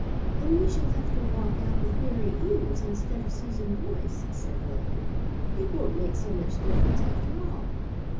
"And we shall have to walk out with Mary Eames, instead of Susan Boyce," said Lily. "It won't make so much difference after all."